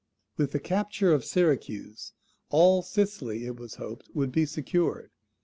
With the capture of Syracuse all Sicily, it was hoped, would be secured.